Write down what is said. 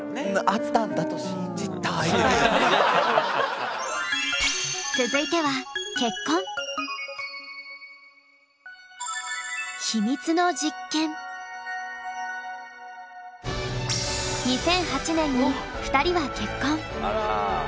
あったんだと続いては２００８年に２人は結婚。